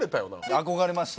憧れました。